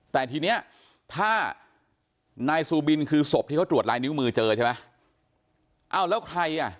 แต่ทีเนี้ยถ้านายซูบินคือศพที่เขาตรวจลายนิ้วมือเจอใช่ไหมอ้าวแล้วใครอ่ะ